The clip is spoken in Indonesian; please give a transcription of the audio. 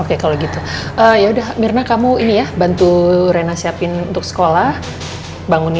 oke kalau gitu yaudah mirna kamu ini ya bantu rena siapin untuk suaminya untuk siang itu jangan